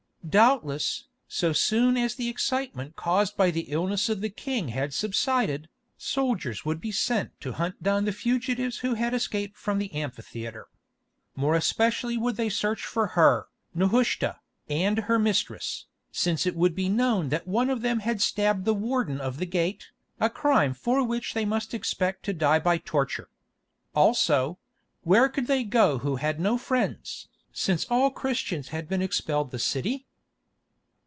Doubtless, so soon as the excitement caused by the illness of the king had subsided, soldiers would be sent to hunt down the fugitives who had escaped from the amphitheatre. More especially would they search for her, Nehushta, and her mistress, since it would be known that one of them had stabbed the warden of the gate, a crime for which they must expect to die by torture. Also—where could they go who had no friends, since all Christians had been expelled the city?